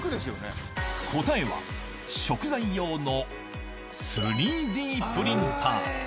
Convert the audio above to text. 答えは、食材用の３Ｄプリンター。